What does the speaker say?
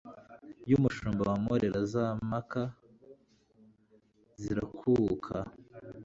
Y' umushumba wa Mporera Za mpaka zirakuka